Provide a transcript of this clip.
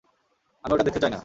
আমি ওটা দেখতে চাই না।